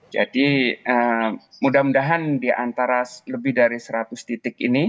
jadi mudah mudahan di antara lebih dari seratus titik ini